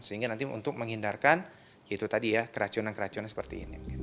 sehingga nanti untuk menghindarkan keracunan keracunan seperti ini